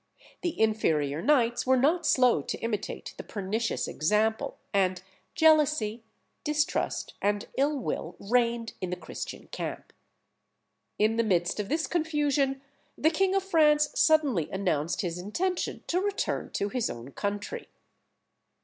The inferior knights were not slow to imitate the pernicious example, and jealousy, distrust, and ill will reigned in the Christian camp. In the midst of this confusion the king of France suddenly announced his intention to return to his own country.